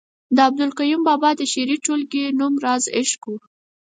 د عبدالقیوم بابا د شعري ټولګې نوم رازِ عشق ؤ